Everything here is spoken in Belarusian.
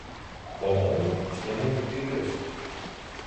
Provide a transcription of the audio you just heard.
А, па-мойму, што-небудзь ды ёсць.